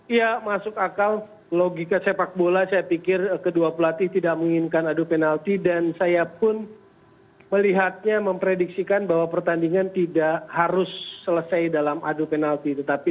ya masuk akal logika sepak bola saya pikir kedua pelatih tidak menginginkan adu penalti dan saya pun melihatnya memprediksikan bahwa pertandingan tidak harus selesai dalam adu penalti